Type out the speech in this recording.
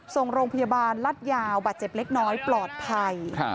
ส่งโรงพยาบาลรัฐยาวบาดเจ็บเล็กน้อยปลอดภัย